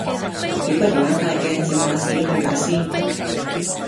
你不如搵塊鏡照下自己個樣先